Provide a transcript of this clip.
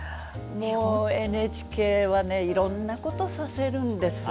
ＮＨＫはいろんなことをさせるんですよ。